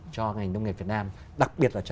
cho ngành công nghiệp việt nam đặc biệt là cho